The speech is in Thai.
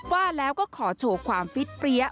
ว่าแล้วก็ขอโชว์ความฟิตเปรี้ย